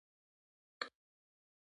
د پکتیکا په خوشامند کې څه شی شته؟